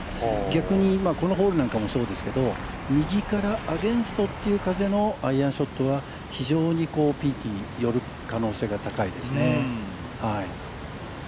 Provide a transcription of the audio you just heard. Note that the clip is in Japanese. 逆にこのホールなんかもそうですけど右からアゲンストという風のアイアンショットは、非常にピーキーに寄る可能性が高いです。